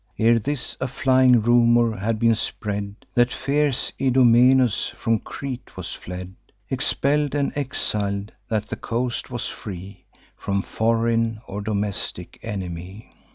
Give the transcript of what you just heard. Ere this, a flying rumour had been spread That fierce Idomeneus from Crete was fled, Expell'd and exil'd; that the coast was free From foreign or domestic enemy.